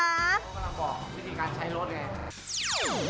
ก็กำลังบอกวิธีการใช้รถไง